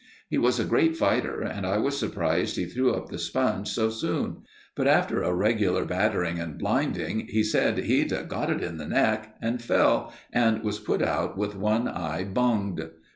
He was a great fighter, and I was surprised he threw up the sponge so soon; but after a regular battering and blinding, he said he'd "got it in the neck," and fell and was put out with one eye bunged.